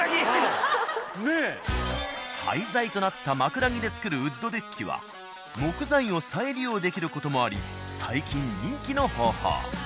廃材となった枕木でつくるウッドデッキは木材を再利用できる事もあり最近人気の方法。